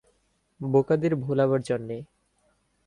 বোকাদের ভোলাবার জন্যে?